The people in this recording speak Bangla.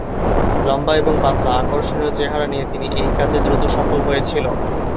লম্বা এবং পাতলা, আকর্ষণীয় চেহারা নিয়ে তিনি এই কাজে দ্রুত সফল হয়েছিল।